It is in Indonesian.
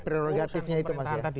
memakai prerogatifnya itu mas ya